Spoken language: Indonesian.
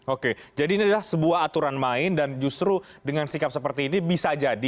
oke jadi ini adalah sebuah aturan main dan justru dengan sikap seperti ini bisa jadi